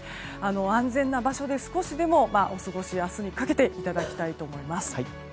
安全な場所で少しでもお過ごししていただきたいと思います。